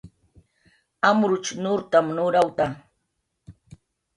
Amrutx nurtam nurawta